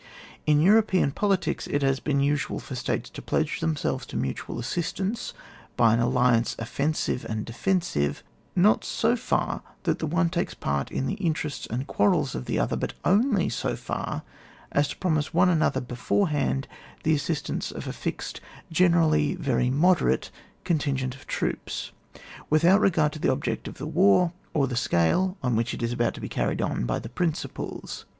In European politics it has been usual for States to pledge themselves to mutual assistance by an alliance offensive and defensive, not so far that the one takes part in the interests and quarrels of the other, but only so far as to promise one another beforehand the assistance of a fixed, generally very moderate, contin gent of troops, wiUiout regard to the object of the war, or the scale on which it is about to be carried on by the principals.